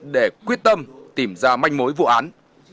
để quyết tâm tìm ra manh mối vụ án